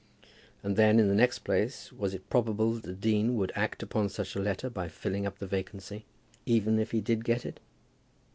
And then, in the next place, was it probable that the dean would act upon such a letter by filling up the vacancy, even if he did get it?